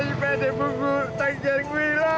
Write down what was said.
lu ga guna diri lu